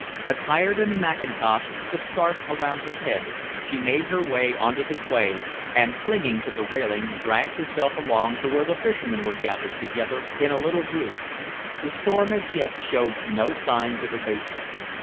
Attired in a mackintosh, with a scarf around her head, she made her way on to the quay, and, clinging to the railing, dragged herself along to where the fishermen were gathered together in a little group. The storm as yet showed no signs of abatement.